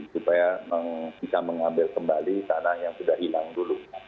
supaya bisa mengambil kembali tanah yang sudah hilang dulu